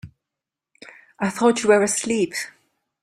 I thought you were asleep.